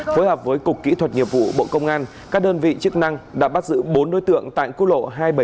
phối hợp với cục kỹ thuật nghiệp vụ bộ công an các đơn vị chức năng đã bắt giữ bốn đối tượng tại quốc lộ hai trăm bảy mươi bảy